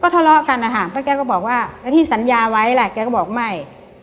ทะเลาะกันนะคะเพราะแกก็บอกว่าแล้วที่สัญญาไว้ล่ะแกก็บอกไม่